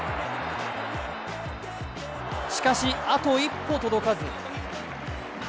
しかし、あと一歩届かず。